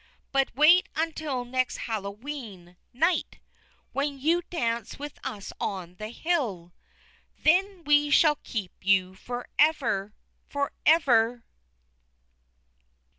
But wait until next Hallowe'en Night, when you dance with us on the hill! Then we shall keep you forever! forever!"